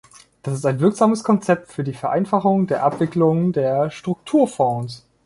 Das ist ein wirksames Konzept für die Vereinfachung der Abwicklung der Strukturfonds.